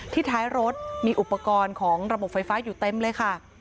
ท้ายรถมีอุปกรณ์ของระบบไฟฟ้าอยู่เต็มเลยค่ะ